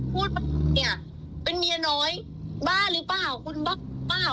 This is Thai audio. พูดมาเนี่ยเป็นเมียน้อยบ้าหรือเปล่าคุณบ้าหรือเปล่า